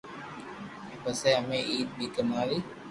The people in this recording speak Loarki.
پسي امي عيد پي ڪماوي